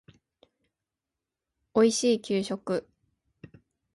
おいしい給食